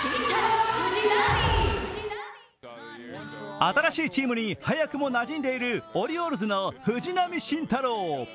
新しいチームに早くもなじんでいるオリオールズの藤浪晋太郎。